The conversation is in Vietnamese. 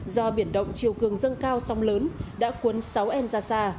do biển động chiều cường dâng cao song lớn đã quấn sáu em ra xa